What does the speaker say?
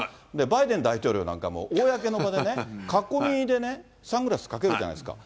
バイデン大統領なんかも公の場でね、囲みでね、サングラスかけるじゃないですか。